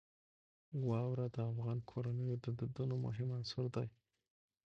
واوره د افغان کورنیو د دودونو مهم عنصر دی.